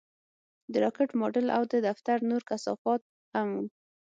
د راکټ ماډل او د دفتر نور کثافات هم وو